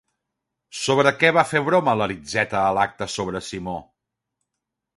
Sobre què va fer broma Aritzeta a l'acte sobre Simó?